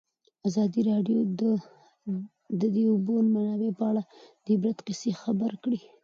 ازادي راډیو د د اوبو منابع په اړه د عبرت کیسې خبر کړي.